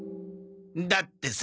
だってさ。